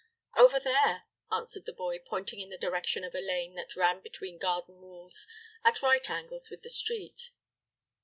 "Over there," answered the boy, pointing in the direction of a lane that ran between garden walls, at right angles with the street.